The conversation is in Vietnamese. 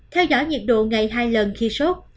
theo dõi nhiệt độ ngày hai lần khi sốt